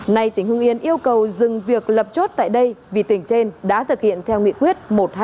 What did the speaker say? này tỉnh hương yên yêu cầu dừng việc lập chốt tại đây vì tỉnh trên đã thực hiện theo nghị quyết một trăm hai mươi tám